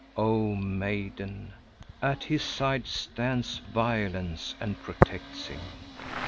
Oh maiden, at his side stands Violence and protects him.